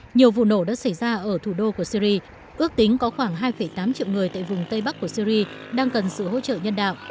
nhiều vụ nổ đã xảy ra ở thủ đô của syri ước tính có khoảng hai tám triệu người tại vùng tây bắc của syri đang cần sự hỗ trợ nhân đạo